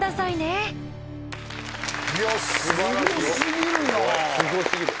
いやすごすぎるな。